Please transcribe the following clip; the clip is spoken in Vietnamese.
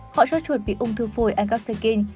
họ cho chuột bị ung thư phổi ăn cắp sạc kênh